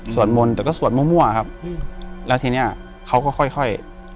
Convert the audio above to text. มนต์แต่ก็สวดมั่วครับแล้วทีเนี้ยเขาก็ค่อยค่อย